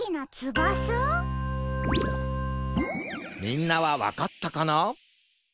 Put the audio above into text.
みんなはわかったかな？